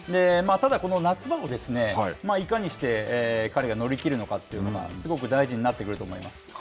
ただ、この夏場をいかにして彼が乗りきるのかというのがすごく大事になってくると思います。